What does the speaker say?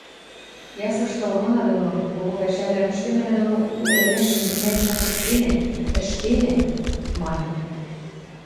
Ясышты ылмына доно, кого пӓшӓвлӓм ӹштӹмӹнӓ доно у ӹлӹмӓшӹм мӓ шачыктенӓ, ӹштенӓ, – маньы.